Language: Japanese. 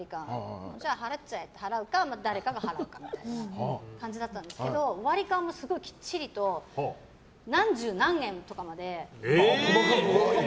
じゃあ払っちゃえって払うか誰かが払うかみたいな感じだったんですけど割り勘もすごいきっちりと何十何円とかまで。